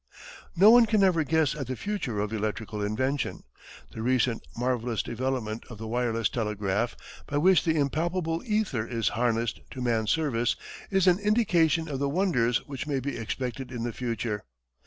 No one can ever guess at the future of electrical invention. The recent marvelous development of the wireless telegraph, by which the impalpable ether is harnessed to man's service, is an indication of the wonders which may be expected in the future.